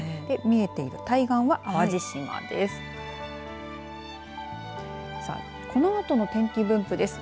見えている対岸は淡路島です。